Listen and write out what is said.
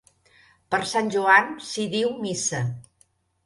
Per sant Joan s'hi diu missa.